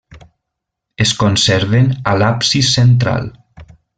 Es conserven a l'absis central.